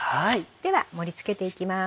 では盛り付けていきます。